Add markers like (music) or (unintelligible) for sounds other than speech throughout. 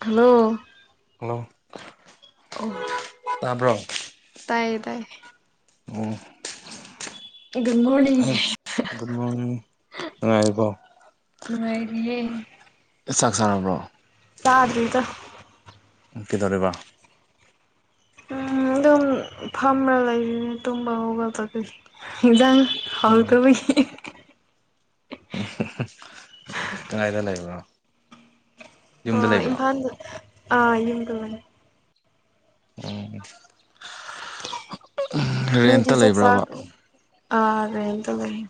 Hello hello ꯑꯣ ꯇꯥꯕ꯭ꯔꯣ ꯇꯥꯏꯌꯦ ꯇꯥꯏꯌꯦ ꯑꯣ (unintelligible) ꯒꯨꯗ ꯃꯣꯔꯅꯤꯡ ꯉꯉꯥꯏꯔꯤꯕꯣ ꯅꯨꯡꯉꯥꯏꯔꯤꯌꯦ ꯑꯦ ꯆꯥꯛ ꯆꯥꯔꯕ꯭ꯔꯣ ꯌꯥꯗꯗ ꯏꯀꯤꯦꯗꯔꯦꯕꯥ ꯑꯗꯨꯝ ꯐꯝꯔ ꯂꯩꯔꯤꯅꯦ ꯇꯨꯝꯕ ꯍꯧꯒꯠꯄ ꯈꯤꯇꯪ ꯍꯥꯎ ꯎꯝ ꯇꯕꯨ ꯎ ꯀꯗꯥꯥꯏꯗ ꯂꯩꯕ꯭ꯔꯣ ꯑ ꯌꯨꯝꯗ ꯂꯩꯕ꯭ꯔꯣ ꯏꯝꯐꯥꯜ ꯑꯥ ꯌꯨꯝꯗꯅꯦ ꯎꯝ ꯅꯗꯤꯖꯤꯖ ꯁꯥ ꯑꯔꯗ ꯂꯩ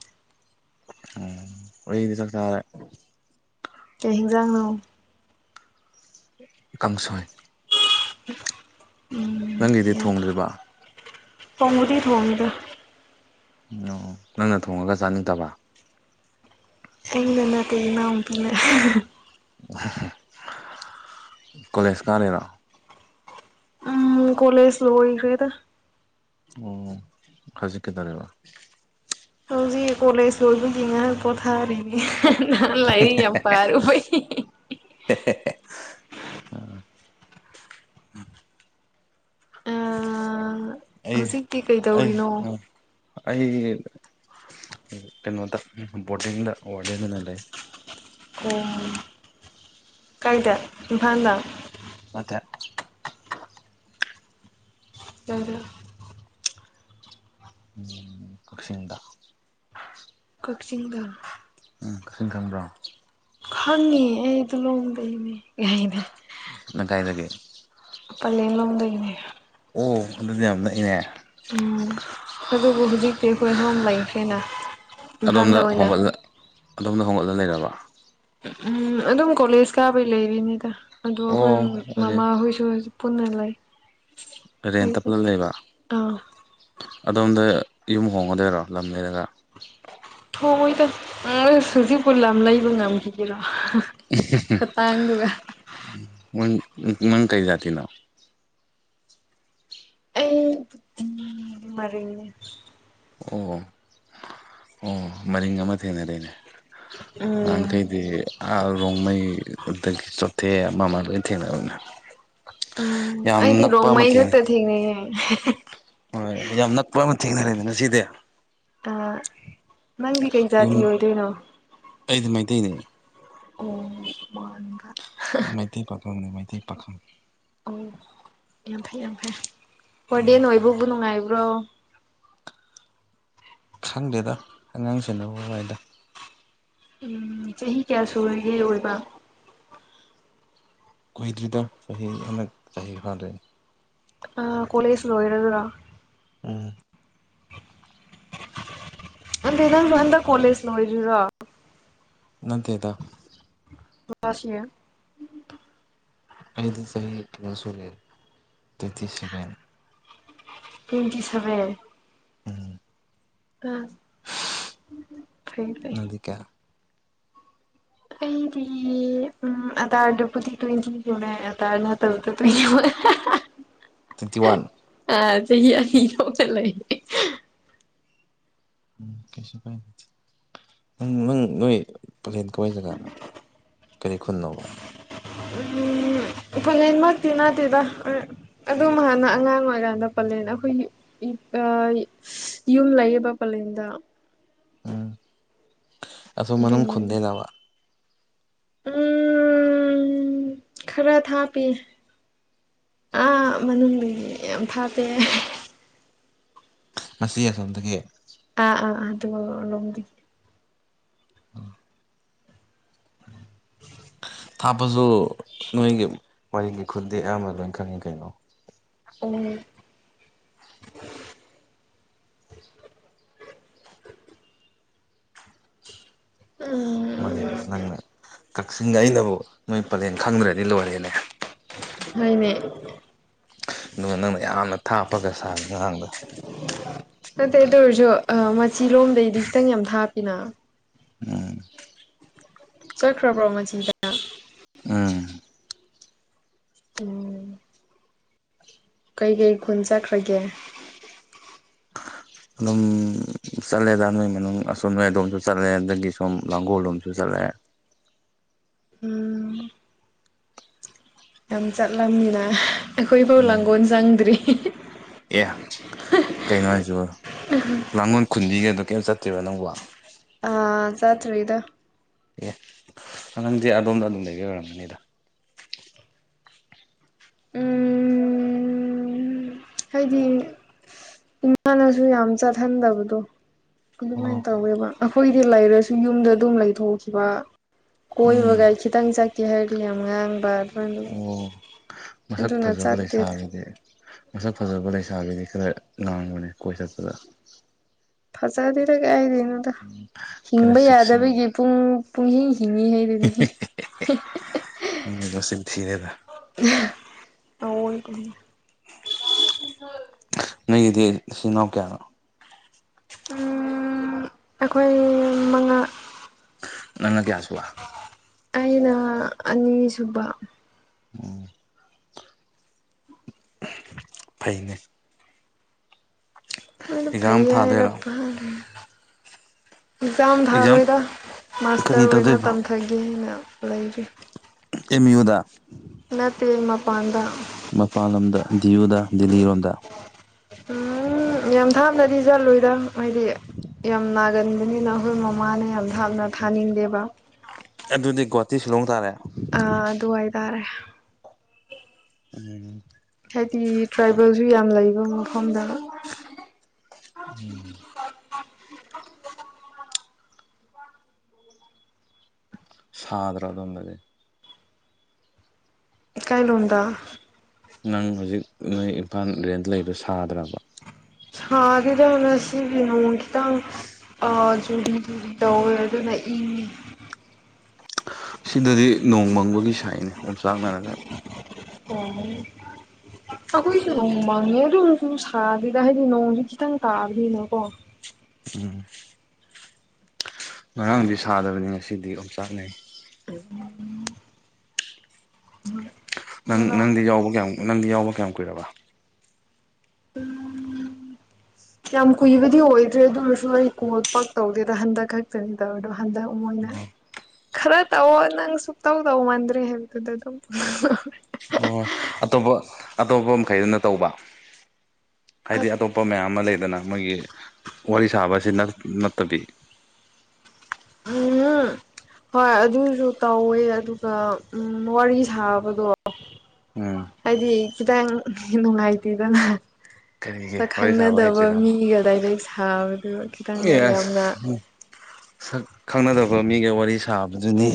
ꯎꯝ ꯑꯣꯏꯗꯤ ꯆ ꯇꯔꯦ ꯀꯩ ꯍꯦꯟꯖꯥꯡꯅꯣ ꯑꯦꯀꯥꯡꯁꯣꯏ (inaudible) ꯅꯪꯒꯤꯗꯤ ꯊꯣꯡꯗ꯭ꯔꯤꯕ ꯇꯣꯡꯒꯗꯤ ꯊꯣꯡꯒꯗ ꯑꯣ ꯅꯪꯅ ꯊꯣꯡꯉꯒ ꯆꯥꯅꯤꯡꯗꯕ ꯑꯩꯅ ꯅꯥꯇꯩ ꯏꯅꯥꯎꯇꯅ ꯀꯣꯂꯦꯖ ꯀꯥ ꯂꯩꯔꯣ ꯎꯝ ꯀꯣꯂ ꯁꯂꯣ ꯐꯦꯗ ꯎ ꯍꯧꯖꯤꯀꯦꯗꯔꯑ ꯍꯧꯖꯤ ꯀꯣꯦꯖ ꯁꯨꯜ ꯀ ꯍꯦꯜꯄ ꯊꯥꯔꯤ ꯅꯥꯟ ꯂꯩꯥꯏꯔꯤ ꯌꯥꯝ ꯄꯔꯕꯩ (unintelligible) (inaudible) ꯑꯩ ꯍꯧꯖꯤꯛꯇꯤ ꯑꯩ ꯀꯩꯗꯧꯔꯤꯅꯣ ꯑꯩ ꯀꯩꯅꯣꯗ ꯕꯣꯔꯗꯤꯡꯗ ꯋꯥꯔꯗꯦꯟ ꯑꯣꯏꯅ ꯂꯩ ꯑꯣ ꯀꯥꯏꯗꯦ ꯏꯐꯥ ꯍꯗꯥ ꯃꯀꯦ ꯀꯗ ꯄꯨꯁꯤꯗ ꯀꯛꯆꯤꯡꯗ ꯎꯝ ꯀꯛꯆꯤꯡ ꯈꯪꯕ꯭ꯔꯣ ꯈꯪꯉꯦ ꯑꯩ ꯑꯗꯨ ꯂꯣꯡꯗꯅꯦ ꯌꯥꯅꯦ ꯅꯪ ꯀꯥꯏꯗꯗꯒꯤꯦ ꯄꯂꯦꯜ ꯂꯣꯝꯗꯒꯤꯅꯦ ꯑꯣ ꯑꯗꯨꯗꯤ ꯌꯥꯝ ꯅꯛꯏꯅꯦ ꯎꯝ ꯑꯗꯨꯕꯨ ꯍꯧꯖꯤꯛꯇꯤ ꯑꯩꯈꯣꯏ ꯁꯣꯝ ꯂꯩꯈ꯭ꯔꯦꯅ ꯏꯝꯐꯥꯜꯗ ꯑꯗꯣꯝꯅ ꯑꯣꯏꯅ ꯍꯣꯡꯒꯠꯂ ꯑꯗꯣꯝꯅ ꯍꯣꯡꯒꯠꯂ ꯂꯩꯔꯕ ꯎꯝ ꯑꯗꯨꯝ ꯀꯣꯂꯦꯖ ꯀꯥꯕꯩ ꯂꯩꯔꯤꯅꯤꯗ ꯑꯗ ꯑꯩꯈꯣꯏ ꯑꯣ ꯑꯗꯨꯗꯤ ꯃꯃꯥꯍꯣꯏꯁꯨ ꯄꯨꯟꯅ ꯂꯩ ꯔꯦꯟꯇ ꯄꯨꯂꯞ ꯂꯩꯕ ꯑꯥ ꯑꯗꯣꯝꯗ ꯌꯨꯝ ꯍꯣꯡꯒꯗꯣꯏꯔꯣ ꯂꯝ ꯂꯩꯔꯒ ꯊꯑꯣꯣꯏꯗ ꯁꯨꯖꯤꯛꯕꯨ ꯂꯝꯂꯝ ꯂꯩꯕ ꯉꯝꯈꯤ ꯔ ꯈꯇꯥꯡꯗꯨꯒ ꯎ ꯃꯪ ꯀꯩꯖꯥꯇꯤ ꯅꯅꯥ ꯎ ꯃꯥꯔꯦ ꯑꯣ ꯑꯣ ꯃꯔꯤꯡ ꯑꯃ ꯊꯦꯡꯅꯔꯅꯦ ꯎꯝ ꯌꯥꯈꯩꯗꯤꯥ ꯔꯣꯡꯃꯩ ꯑꯗꯒꯤ ꯆꯣꯊꯦ ꯑꯃ ꯑꯃ ꯂꯣꯏ ꯊꯦꯡꯔꯅꯦ ꯎꯝ ꯑꯩꯗꯤ ꯔꯣꯡꯃꯩ ꯊꯦꯡꯅꯩ ꯈꯛꯇ ꯊꯦꯡꯅꯩꯌꯦ ꯍꯣꯏ ꯌꯥꯝ ꯅꯛꯄ ꯑꯃ ꯊꯦꯡꯅꯔꯦꯃꯤꯅ ꯁꯤꯗꯤ ꯑ ꯅꯪꯗꯤ ꯀꯩ ꯌꯨꯝ ꯖꯥꯇꯤ ꯑꯣꯏꯗꯣꯏꯅꯣ ꯑꯩꯗꯤ ꯃꯩꯇꯩꯅꯤ ꯑꯣ ꯃꯥ ꯃꯩꯇꯩ ꯄꯥꯝꯅꯦ ꯃꯩꯇꯩ ꯄꯥꯝ ꯑꯣ ꯌꯥꯝ ꯐꯩ ꯌꯥꯝ ꯐꯩ ꯍꯣꯔꯗꯦꯟ ꯎꯝ ꯅꯣꯏꯕꯕꯨ ꯅꯨꯡꯉꯥꯏꯕ꯭ꯔꯣ ꯈꯪꯗꯦꯗꯣ ꯑꯉꯥꯡꯁꯤꯡꯦꯅ ꯍ ꯋꯥꯏꯗ ꯎꯝ ꯆꯍꯤ ꯀꯌꯥ ꯁꯨꯔꯒꯦ ꯑꯣꯏꯕ ꯀꯨꯏꯗ꯭ꯔꯤꯗ ꯆꯍꯤ ꯍꯟꯗꯛ ꯆꯍꯤ ꯐꯥꯟꯗꯦ ꯑ ꯀꯣꯂꯦꯁ ꯂꯣ ꯏꯔꯗꯔꯥ ꯎꯝ ꯅꯦ ꯃꯟ ꯀꯣꯦꯖ ꯅꯣꯏꯗ꯭ꯔꯥ ꯅꯠꯇꯦꯗ ꯖꯥꯁꯤ ꯑꯩꯗꯤ ꯆꯍꯤ ꯀ꯭ꯂꯁꯨꯨꯔꯦ ꯇꯇꯁꯤꯕꯦꯟ ꯇ꯭ꯋꯦꯟꯇꯤ ꯁꯚꯦꯟ ꯎꯝ ꯑ ꯐꯥꯏ ꯐꯥꯏ ꯅꯪꯗꯤ ꯀꯌꯥ ꯑꯩꯗꯤ ꯎꯝ ꯑꯗꯥꯔꯗꯕꯨꯗꯤ ꯇꯣꯏꯗꯤꯤꯈꯤꯕꯅꯦ ꯑꯗꯥꯔꯅ ꯇꯗ ꯇꯨ (inaudible) ꯇ꯭ꯋꯦꯟꯇꯤ ꯋꯥꯟ ꯑ ꯆꯍꯤ ꯑꯅꯤ ꯂꯧ ꯆꯠ ꯂꯩꯌꯦ (unintelligible) ꯎꯝ ꯀꯦ ꯄ ꯅꯪ ꯅꯪ ꯅꯣꯏ ꯄꯂꯦꯟ ꯀꯧꯋꯥꯏ ꯖꯒꯥꯅꯣ ꯀꯔꯤ ꯈꯨꯟꯅꯣꯕ ꯏ ꯅꯟ ꯃꯇ ꯅꯅꯥ ꯇꯗ ꯑꯗꯨꯝ ꯍꯥꯟꯅ ꯑꯉꯥꯡ ꯑꯣꯏꯀꯥꯟꯗ ꯄꯜꯂꯦꯅ ꯑꯩꯈꯣꯏꯒꯤ ꯌꯨꯝ ꯂꯩꯌꯦꯕ ꯄꯂꯦꯟꯗ ꯎꯝ ꯑꯁꯣꯝ ꯃꯅꯨꯡ ꯑꯗꯨꯗ ꯈꯨꯟꯗꯩꯔꯕ ꯎꯝ ꯎꯝ ꯈꯔ ꯊꯥꯞꯄꯤ ꯑꯥ ꯃꯅꯨꯡꯗꯒꯤ ꯌꯥꯝ ꯊꯥꯞꯄꯦ ꯃꯁꯤ ꯑꯁꯣꯝꯗꯒꯤ (unintelligible) (inaudible) ꯊꯥꯞꯄꯁꯨ ꯅꯣꯏꯒꯤ ꯋꯥꯔꯤꯒꯤ ꯈꯨꯗꯤ ꯑꯌꯥꯝꯕ ꯂꯣꯏ ꯈꯪꯉꯤ ꯀꯩꯅꯣ ꯎꯝ ꯎꯝ ꯅꯪꯅ ꯀꯛꯆꯤꯡ ꯑꯩꯅꯕꯨ ꯅꯣꯏ ꯄꯂꯦꯟ ꯈꯪꯗ꯭ꯔꯗꯤ ꯂꯣꯏꯔꯦꯅꯦ ꯍꯅꯦ꯫ ꯑꯗꯨꯒ ꯅꯪꯅ ꯌꯥꯝꯅ ꯊꯥꯞꯄꯒ ꯁꯥꯔꯥ ꯑꯉꯥꯡꯗꯅꯥ ꯅꯠꯇꯦ ꯑꯗꯨ ꯑꯣꯏꯔꯁꯨ ꯃꯆꯤ ꯂꯣꯝꯗꯩꯗꯤ ꯈꯤꯇꯪ ꯌꯥꯝ ꯊꯥꯞꯄꯤꯅ ꯎꯝ ꯆꯠꯈ꯭ꯔꯕꯣ ꯃꯆꯤꯗ ꯎꯝ ꯎꯝ ꯀꯩꯀꯩ ꯈꯨꯟ ꯆꯠꯈ꯭ꯔꯒꯦ꯫ ꯑꯗꯨꯝ ꯆꯠꯂꯦꯗ ꯅꯣꯏ ꯃꯅꯨꯡ ꯑꯁꯣꯟ ꯑꯗꯣꯝꯁꯨ ꯆꯠꯂꯦ ꯑꯗꯒꯤ ꯁꯨꯝ ꯂꯥꯡꯒꯣꯜꯂꯣꯝꯁꯨ ꯆꯠꯂꯦ꯫ ꯎꯝ ꯌꯥꯝ ꯆꯠꯂꯝꯃꯤꯅ ꯑꯩꯈꯣꯏ ꯐꯧ ꯎꯝ ꯂꯥꯡꯒꯣꯜ ꯆꯪꯗ꯭ꯔꯤ꯫ ꯑꯦ ꯀꯩꯅꯣ ꯍꯥꯏꯖꯤꯕꯣ ꯂꯥꯡꯒꯣꯜ ꯈꯨꯟꯗꯤ ꯒꯥꯏꯗꯣ ꯀꯩꯝ ꯆꯠꯇ꯭ꯔꯤꯕ ꯅꯪꯕꯣ ꯑ ꯆꯠꯔꯤ ꯏꯗ ꯑꯦ ꯅꯪꯗꯤ ꯑꯗꯣꯝꯗ ꯑꯗꯨꯝꯗ ꯂꯩꯕꯥꯒꯤ ꯑꯣꯏꯔꯝꯒꯥꯅꯤꯗ ꯎꯝ ꯍꯥꯏꯗꯤ ꯏꯃꯥꯅꯁꯨ ꯌꯥꯝ ꯆꯠꯍꯟꯗꯕꯗꯣ ꯑꯗꯨꯃꯥꯏꯅ ꯑꯣ ꯇꯧꯋꯦꯕ ꯑꯩꯈꯣꯏꯗꯤ ꯂꯩꯔꯁꯨ ꯌꯨꯝꯗ ꯑꯗꯨꯝ ꯂꯩꯊꯣꯛꯈꯤꯕ ꯀꯣꯏꯕꯒꯥ ꯎꯝ ꯈꯤꯇꯪ ꯆꯠꯀꯦ ꯍꯥꯏꯔꯤ ꯌꯥꯝ ꯉꯥꯡꯕ ꯑꯗꯨꯅ ꯑꯣ ꯃꯁꯛ ꯑꯗꯨꯅ ꯐꯥꯖꯕ ꯆꯠꯇꯦꯗ ꯂꯩꯁꯥꯕꯤꯗꯤ ꯃꯁꯛ ꯐꯖꯕ ꯂꯩꯁꯥꯕꯤꯗꯤ ꯈꯔ ꯂꯥꯡꯕꯅꯦ ꯀꯣꯏ ꯆꯠꯄꯗ ꯐꯖꯗꯦꯗ ꯀꯥꯏꯗꯩꯅꯣꯗ ꯈꯔ ꯍꯤꯡꯕ ꯆꯦꯛꯁꯤꯟ ꯌꯥꯗꯕꯒꯤ ꯄꯨꯡ ꯄꯨꯡꯍꯤꯡ ꯍꯤꯡꯉꯤꯅꯤ꯫ ꯅꯪꯒꯤ ꯃꯆꯤꯟ ꯊꯤꯔꯦꯗ (unintelligible) ꯑꯌꯣꯏꯕꯅꯦ꯫ (inaudible) ꯅꯪꯒꯤꯗꯤ ꯅꯥꯆꯤꯜ ꯅꯥꯎ ꯀꯌꯥꯅꯣ? ꯑꯩꯈꯣꯏ ꯃꯉꯥ ꯅꯪꯅ ꯀꯌꯥꯁꯨꯕꯥ ꯑꯩꯅ ꯑꯅꯤꯁꯨꯨꯕ ꯎꯝ ꯐꯩꯅꯦ꯫ ꯑꯣꯏꯩꯅ ꯐꯩ ꯑꯦꯛꯖꯥꯝ ꯊꯥꯗꯣꯏꯔꯣ ꯍꯥꯏꯔꯄꯔ ꯑꯦꯛꯖꯥꯝ ꯊꯥꯔꯣꯏꯗ ꯀꯔꯤ ꯃꯥꯁꯇꯔ ꯑꯣꯏꯅ ꯇꯧꯗꯣꯏꯕ ꯇꯝꯊꯒꯦ ꯍꯥꯏꯅ ꯂꯩꯔꯤ꯫ ꯑꯦꯝ ꯌꯨꯗ ꯅꯠꯇꯦ ꯇꯃꯄꯥꯟꯗ ꯃꯄꯥꯟꯂꯣꯝꯗ ꯗꯤꯌꯨꯗ ꯗꯗꯤꯜꯂꯤꯔꯣꯝꯗ ꯎꯝ ꯌꯥꯝ ꯊꯥꯞꯅꯗꯤ ꯆꯠꯂꯣꯏꯗ ꯍꯥꯏꯗꯤ ꯌꯥꯝ ꯅꯥꯒꯟꯕꯅꯤꯅ ꯑꯩꯈꯣꯏ ꯃꯃꯥꯅ ꯌꯥꯝ ꯊꯥꯞꯅ ꯊꯥꯅꯤꯡꯗꯦꯕ ꯑꯗꯨꯗꯤ ꯒꯨꯍꯥꯇꯤ ꯁꯤꯂꯣꯡ ꯇꯥꯔꯦ꯫ ꯑ ꯑꯗꯨ ꯑꯣꯏꯇꯥꯔꯦ꯫ ꯎꯝ ꯍꯥꯏꯗꯤ ꯇ꯭ꯔꯥꯏꯕꯦꯜꯁꯨ ꯌꯥꯝ ꯂꯩꯕ ꯃꯐꯝꯗ (unintelligible) ꯁꯥꯗ꯭ꯔꯥ ꯑꯗꯣꯝꯗꯗꯤ ꯏꯀꯥꯏ ꯂꯣꯟꯗꯥ ꯅꯪ ꯍꯧꯖꯤꯛ ꯅꯣꯏ ꯏꯝꯐꯥꯜ ꯔꯦꯟꯗ ꯂꯩꯗꯣ ꯁꯥꯗ꯭ꯔꯕ ꯁꯗꯤꯗ ꯍꯅ ꯑꯁꯤꯅꯣꯡꯇ ꯑꯥ ꯖꯨꯔꯤ ꯖꯨꯔꯤ ꯇꯧꯋꯦ ꯑꯗꯨꯅ ꯏ ꯁꯤꯗꯗꯤ ꯅꯣꯡꯃꯪꯕꯒꯤ ꯁꯥꯏꯠꯅꯦ ꯑꯣꯝꯆꯥꯛ ꯅꯥꯔꯒ (unintelligible) ꯑꯩꯈꯣꯏꯁꯨ ꯅꯣꯡ ꯃꯪꯉꯦ ꯑꯗꯨꯝ ꯁꯥꯗꯦꯗ ꯍꯥꯏꯗꯤ ꯅꯣꯡꯗꯤ ꯈꯤꯇꯪ ꯇꯥꯕꯅꯤꯅꯀꯣ ꯎꯝ ꯉꯔꯥꯡꯗꯤ ꯁꯥꯗꯕꯅꯤ ꯉꯁꯤꯗꯤ ꯑꯣꯝꯆꯥꯛꯅꯩ ꯑꯗꯨꯗꯤ (unintelligible) ꯅꯪ ꯉꯔꯥꯡ ꯅꯪꯗꯤ ꯌꯥꯎꯕ ꯀꯌꯥꯝ ꯅꯪꯗꯤ ꯌꯥꯎꯕ ꯀꯌꯥꯝ ꯀꯨꯏꯔꯕ (unintelligible) ꯌꯥꯝ ꯀꯨꯏꯕꯗꯤ ꯑꯣꯏꯗ꯭ꯔꯦ ꯑꯗꯨ ꯑꯣꯏꯔꯁꯨ ꯑꯩ ꯀꯣꯜ ꯄꯥꯛ ꯇꯧꯗꯦꯗ ꯍꯟꯗꯛ ꯈꯛꯇꯅꯤꯗꯕꯗꯣ ꯑꯗ ꯃꯣꯟꯅ ꯑꯣ ꯈꯔ ꯇꯧꯑꯣ ꯅꯪ ꯁꯨꯡꯛꯇꯧ ꯇꯧ ꯃꯥꯟꯗ꯭ꯔꯦ ꯍꯥꯏꯕꯗꯨꯗ ꯑꯗꯨꯝ ꯑꯣ ꯑꯇꯣꯞꯄ ꯑꯇꯣꯞꯄ ꯃꯈꯩꯗꯨꯅ ꯇꯧꯕ ꯍꯥꯏꯗꯤ ꯑꯇꯣꯞꯄ ꯃꯌꯥꯝ ꯑꯃ ꯂꯩꯗꯅ ꯃꯣꯏꯒꯤ ꯋꯥꯔꯤ ꯁꯥꯕꯁꯤ ꯅꯠ ꯅꯠꯇꯕꯤ ꯎꯝ ꯍꯣꯏ ꯑꯗꯨꯁꯨ ꯇꯧꯋꯦ ꯑꯗꯨꯒ ꯎꯝ ꯋꯥꯔꯤ ꯁꯥꯕꯗꯣ ꯎꯝ ꯍꯥꯏꯗꯤ ꯈꯤꯇꯪ ꯅꯨꯡꯉꯥꯏꯇꯦꯗꯅ ꯀꯔꯤꯒꯤ ꯁꯛ ꯋꯥꯔꯤ ꯁꯥꯕ ꯈꯪꯅꯗꯕ ꯍꯩꯇ꯭ꯔꯤꯔꯕ ꯃꯤꯒ ꯗꯥꯏꯔꯦꯛ ꯁꯥꯕꯗꯨ ꯈꯤꯇꯪ ꯍꯦꯛ ꯑꯦꯁ ꯌꯥꯝꯅ ꯁꯛ ꯈꯪꯅꯗꯕ ꯃꯤꯒ ꯋꯥꯔꯤ ꯁꯥꯕꯗꯨꯅꯤ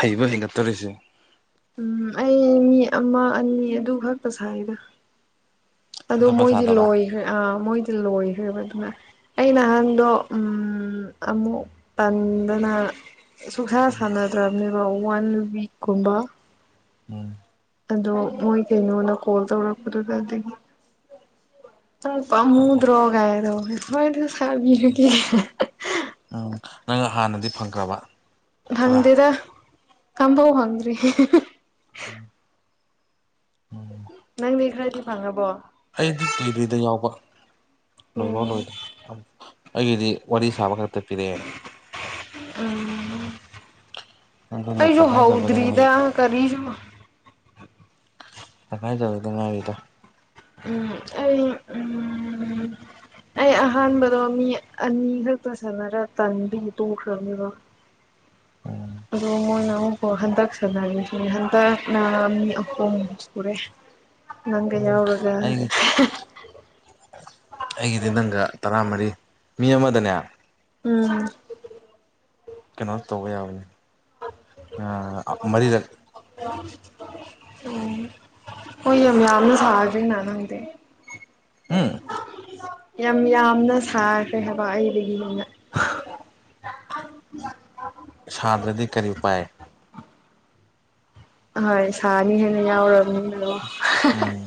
ꯍꯩꯕ ꯍꯩꯒꯠꯇꯣꯔꯤꯁꯦ ꯎꯝ ꯑꯩ ꯃꯤ ꯑꯃ ꯑꯅꯤ ꯑꯗꯨ ꯈꯛꯇ ꯁꯥꯏꯗ ꯑꯗꯨ ꯑꯇꯣꯞꯄ ꯃꯣꯏꯗꯤ ꯁꯥꯗꯕ ꯂꯣꯏꯈ꯭ꯔꯦ ꯑꯥ ꯃꯣꯏꯗꯤ ꯂꯣꯏꯈ꯭ꯔꯦꯕ ꯑꯗꯨꯅ ꯑꯩ ꯅꯍꯥꯟꯗꯣ ꯑꯃꯨꯛ ꯄꯟꯗꯅ ꯁꯨꯛꯁꯥ ꯁꯥꯟꯅꯗ꯭ꯔꯝꯅꯦꯕ ꯋꯥꯟ ꯋꯤꯛꯀꯨꯝꯕ ꯎꯝ ꯑꯗꯣ ꯃꯣꯏ ꯀꯩꯅꯣꯅ ꯀꯣꯜ ꯇꯧꯔꯛꯄꯗꯨꯗꯗꯤ ꯑꯣ (unintelligible) ꯎꯝ ꯅꯪ ꯍꯥꯟꯅꯗꯤ ꯐꯪꯈ꯭ꯔꯕ ꯈꯔ ꯍꯪꯗꯦꯗ ꯑꯝꯐꯥꯎ ꯍꯪꯗꯔꯤ ꯎꯝ ꯎꯝ ꯅꯪꯅꯦ ꯈꯔꯗꯤ ꯐꯪꯉꯕꯣ ꯑꯩꯗꯤ ꯀꯨꯏ꯭ꯔꯦꯗ ꯌꯥꯎꯕ ꯂꯣꯏꯐꯥꯎ ꯎꯝ ꯂꯣꯏꯗꯦ ꯑꯩꯒꯤꯗꯤ ꯋꯥꯔꯤ ꯁꯥꯕ ꯈꯛꯇ ꯄꯤꯔꯛꯑꯦ ꯎꯝ ꯑꯗꯨꯅ ꯑꯩꯁꯨ ꯇꯪꯈꯥꯏꯖꯕꯗ ꯍꯧꯎꯗꯔꯤꯗ ꯉꯥꯏꯔꯤ ꯀꯔꯤꯁꯨ ꯇꯪꯈꯥꯏ ꯇꯧ ꯗ ꯉꯥꯏꯔꯤꯗ ꯎꯝ ꯑ ꯎꯝ ꯑꯩ ꯑꯍꯥꯟꯕꯗꯣ ꯃꯤ ꯑꯅꯤ ꯈꯛꯇꯥ ꯁꯥꯟꯅꯔ ꯇꯥꯟꯕꯒꯤ ꯇꯣꯛꯈꯔꯥꯕꯅꯦ ꯎꯝ ꯑꯗꯣ ꯃꯣꯏꯅ ꯑꯃꯨꯛꯐꯥꯎ ꯍꯟꯗꯛ ꯁꯅꯔꯤꯁꯤ ꯍꯟꯗꯛꯅ ꯃꯤ ꯑꯍꯨꯝ ꯁꯨꯔꯦ ꯅꯪꯒ ꯌꯥꯎꯔꯒ ꯑꯩꯒꯤ ꯑꯩꯒꯤꯗꯤ ꯅꯪꯒ ꯇꯔꯥꯃꯔꯤ ꯃꯤ ꯑꯃꯗꯅꯦ ꯎꯝ ꯀꯩꯅꯣ ꯇꯧꯕꯌꯥꯕꯅꯤ ꯃꯔꯤꯔꯛ (unintelligible) ꯎꯝ ꯑꯣꯏ ꯑꯃꯤꯌꯥꯝꯌꯥꯝꯅ ꯁꯥꯒꯅꯅꯗ ꯑꯦ ꯎꯝ ꯌꯥꯝ ꯌꯥꯝꯅ ꯁꯥꯈ꯭ꯔꯦ ꯍꯥꯏꯕ ꯑꯩꯗꯒꯤꯅ ꯁꯥꯗ꯭ꯔꯗꯤ ꯀꯔꯤꯄꯥꯏ ꯍꯣꯏ ꯁꯥꯅꯤ ꯍꯦꯟꯅ ꯌꯥꯎꯔꯕꯅꯤ ꯑꯗꯣ ꯎꯝ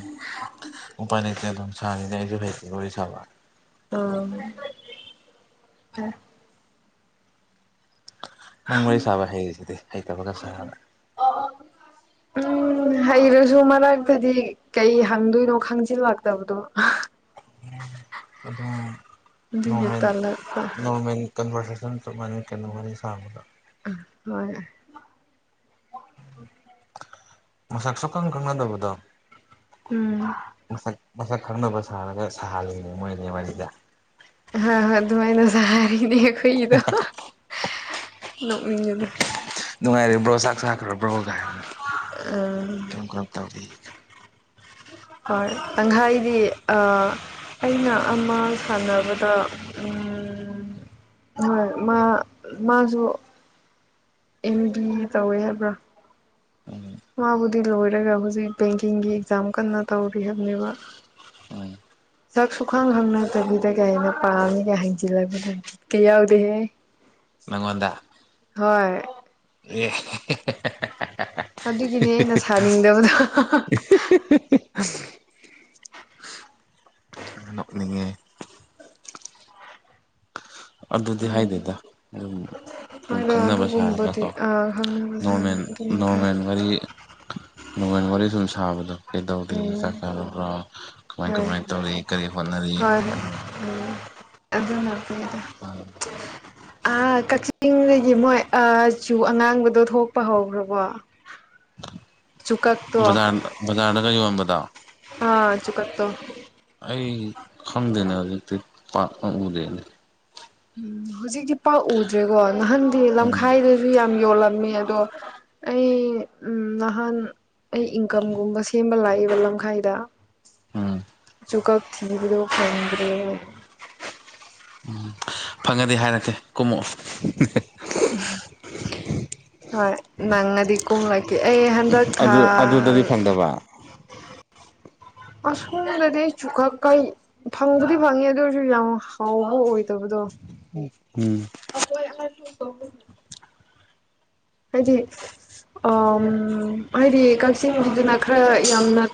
ꯎꯄꯥꯏ ꯂꯩꯇꯦ ꯑꯗꯨꯝ ꯁꯥꯔꯤꯅꯦ ꯑꯩꯁꯨ ꯐꯩꯗꯤ ꯋꯥꯔꯤ ꯁꯥꯕ ꯑꯣ ꯅꯪ ꯋꯥꯔꯤ ꯁꯥꯕ ꯍꯩꯔꯤꯁꯤꯗꯤ ꯍꯩꯇꯕꯒ ꯁꯥꯔꯗꯅ ꯎꯝ ꯍꯩꯔꯁꯨꯨ ꯃꯔꯛꯇꯗꯤ ꯀꯩ ꯍꯪꯗꯣꯏꯅꯣ ꯈꯪꯖꯤꯜꯂꯇꯕꯗꯣ ꯑꯗꯨꯝ ꯑꯗꯨꯒꯤ ꯅꯣꯔꯃꯦꯜ ꯇꯜꯂꯛꯄ ꯅꯣꯔꯃꯦꯜ ꯀꯟꯚꯔꯁꯦꯁꯟ ꯆꯞ ꯃꯥꯅꯩ ꯀꯩꯅꯣ ꯑꯩꯈꯣꯏꯕꯥꯅꯤ ꯁꯥꯕꯗ ꯑ ꯍꯣꯏ ꯃꯁꯛ ꯁꯨꯈꯪ ꯈꯪꯅꯗꯕꯗꯣ ꯎꯝ ꯃꯁꯛ ꯃꯁꯛ ꯈꯪꯅꯕ ꯁꯥꯔꯒ ꯁꯥꯍꯜꯂꯤꯅꯦ ꯃꯣꯏꯅꯤ ꯋꯥꯔꯤꯖꯦ ꯍꯣꯢ ꯍꯣꯏ ꯑꯗꯨꯃꯥꯏꯅꯁꯨ ꯍꯥꯏꯔꯤꯅꯦ ꯑꯩꯈꯣꯏꯒꯤꯗꯣ ꯅꯣꯛꯅꯤꯡꯉꯦꯗ ꯅꯨꯡꯉꯥꯏꯔꯤꯕ꯭ꯔꯣ ꯆꯥꯛ ꯆꯥ ꯈ꯭ꯔꯕ꯭ꯔꯣꯒ ꯎꯝ ꯀꯔꯝ ꯀꯔꯝ ꯇꯧꯔꯤ ꯍꯣꯏ ꯑꯪꯍꯥꯏꯗꯤ ꯑꯥ ꯑꯩꯅ ꯑꯃ ꯁꯥꯟꯅꯕꯗ ꯎꯟ ꯍꯣꯏ ꯃꯥ ꯃꯥꯖꯨ ꯑꯦꯝ ꯗꯤ ꯇꯧꯋꯦ ꯍꯥꯏꯕ꯭ꯔꯥ ꯎꯝ ꯃꯥꯕꯨꯗꯤ ꯂꯣꯏꯔꯒ ꯍꯧꯖꯤꯛ ꯕꯦꯡꯀꯤꯡꯒꯤ ꯑꯦꯛꯖꯥꯝ ꯀꯟꯅ ꯇꯧꯔꯤ ꯍꯥꯏꯕꯅꯦꯕ ꯎꯝ ꯁꯛꯁꯨꯨꯈꯥꯡ ꯈꯪꯅꯗꯕꯤꯗꯒ ꯑꯩꯅ ꯄꯥꯝꯃꯤꯒ ꯍꯥꯏꯖꯤꯜꯂꯛꯕꯗꯨ ꯀ ꯌꯥꯎꯗꯦꯍꯦ ꯅꯪꯉꯣꯟꯗ ꯍꯣꯏ ꯑꯦ ꯑꯗꯨꯒꯤꯅꯦ ꯑꯩꯅ ꯁꯥꯅꯤꯡꯗꯕꯗꯣ (unintelligible) ꯅꯣꯛꯅꯤꯡꯉꯦ ꯑꯗꯨꯗꯤ ꯎꯝ ꯍꯥꯏꯗꯦꯗ ꯑꯗꯨꯝ ꯁꯨꯝ ꯍꯣꯏꯗ ꯈꯪꯅꯕ ꯑꯗꯨꯒꯨꯝꯕꯗꯤ ꯁꯥꯔꯒꯀꯣ ꯑꯥ ꯈꯪꯅꯕ ꯁꯥꯅ ꯅꯣꯔꯃꯦꯜ ꯑꯗꯨꯅ ꯐꯩ ꯅꯣꯔꯃꯦꯜ ꯋꯥꯔꯤ ꯅꯣꯕꯦꯝꯕꯔꯗꯤ ꯁꯨꯝ ꯁꯥꯕꯗꯣ ꯀꯩꯗꯧꯔꯤ ꯎꯝ ꯆꯥꯛ ꯆꯥꯔꯕ꯭ꯔꯥ ꯀꯃꯥꯏ ꯍꯣꯏ ꯍꯣꯏ ꯀꯃꯥꯏ ꯇꯧꯔꯤ ꯀꯔꯤ ꯍꯣꯠꯅꯔꯤ ꯍꯣꯏ ꯎꯝ ꯑꯗꯨꯅ ꯑꯩꯈꯣꯏꯗ ꯑꯥ ꯀꯛꯆꯤꯡꯗꯒꯤ ꯃꯣꯏ ꯑꯥ ꯆꯨ ꯑꯉꯥꯡꯕꯗꯣ ꯊꯣꯛꯄ ꯍꯧꯔꯕꯣ ꯕꯖꯥꯔ ꯕꯖꯥꯔꯗꯒ ꯌꯣꯟꯕꯗꯣ ꯑꯥ ꯆꯨ ꯀꯠꯇꯣ ꯑꯩ ꯈꯪꯗꯦꯅꯦ ꯍꯧꯖꯤꯛꯇꯤ ꯄꯥꯠꯅ ꯎꯗꯦꯅꯦ ꯎꯝ ꯍꯧꯖꯤꯛꯇꯤ ꯄꯥꯛ ꯎꯗ꯭ꯔꯦꯀꯣ ꯅꯍꯥꯟꯗꯤ ꯎꯝ ꯂꯝꯈꯥꯏꯗ ꯑꯗꯨ ꯌꯥꯝ ꯌꯣꯜꯂꯝꯃꯦ ꯑꯗꯣ ꯑꯩ ꯎꯝ ꯅꯍꯥꯟ ꯑꯩ ꯏꯟꯀꯝꯒꯨꯝꯕ ꯁꯦꯝꯕ ꯂꯥꯛꯏꯕ ꯂꯝꯈꯥꯏꯗ ꯎꯝ ꯑꯗꯨꯈꯛ ꯊꯤꯕꯗꯣ ꯐꯪꯗ꯭ꯔꯦ ꯎꯝ ꯐꯪꯉꯗꯤ ꯍꯥꯏꯔꯛꯀꯦ ꯀꯨꯝꯃꯛꯑꯣ ꯎꯝ ꯍꯣꯏ ꯅꯪꯉꯗꯤ ꯀꯨꯝꯂꯛꯀꯦ ꯑꯩ ꯍꯟꯗꯛ ꯊꯥ ꯑꯗꯨ ꯑꯗꯨꯗꯗꯤ ꯐꯪꯗꯕ ꯑꯁ ꯁꯣꯝꯗꯗꯤ ꯑꯩ ꯆꯨꯀꯛ ꯀꯛꯏ ꯐꯪꯕꯨꯗꯤ ꯐꯪꯅꯤ ꯑꯗꯨ ꯑꯣꯏꯔꯁꯨ ꯌꯥꯝ ꯍꯥꯎꯕ ꯑꯣꯏꯗꯕꯗꯣ ꯎꯝ ꯑꯈꯣꯏ ꯑ ꯂ ꯍꯥꯏꯗꯤ ꯍꯥꯏꯗꯤ ꯀꯥꯛꯆꯤꯡꯒꯤꯗꯅ ꯈꯔ ꯌꯥꯝꯅ